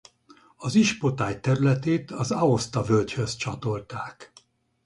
Az ispotály területét az Aosta-völgyhöz csatolták.